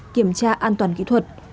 kiểm tra an toàn kỹ thuật